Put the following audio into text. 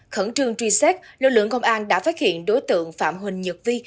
khẩn trương truy xét lực lượng công an đã phát hiện đối tượng phạm huỳnh nhật vi